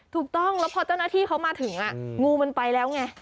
ถูกต้องแล้วพอเจ้าหน้าที่เขามาถึงงูมันไปแล้วไง